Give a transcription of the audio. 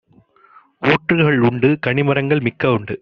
ஊற்றுக்கள் உண்டு; கனிமரங்கள் மிக்க உண்டு;